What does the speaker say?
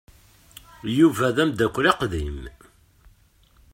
Yuba d ameddakel aqdim.